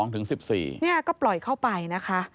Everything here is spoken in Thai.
๑๒ถึง๑๔เนี่ยก็ปล่อยเข้าไปนะคะ